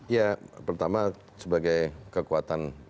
ya pertama sebagai kekuatan